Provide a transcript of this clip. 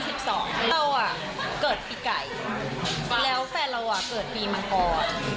เราเกิดปีไก่แล้วแฟนเราเกิดปีมังกร